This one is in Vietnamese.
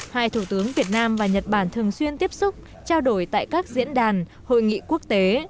hai thủ tướng việt nam và nhật bản thường xuyên tiếp xúc trao đổi tại các diễn đàn hội nghị quốc tế